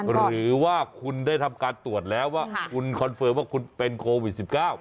หรือว่าคุณได้ทำการตรวจแล้วว่าคุณคอนเฟิร์มว่าคุณเป็นโควิด๑๙